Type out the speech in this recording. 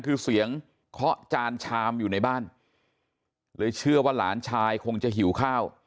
คือเสียงเคาะจานชามอยู่ในบ้านเลยเชื่อว่าหลานชายคงจะหิวข้าว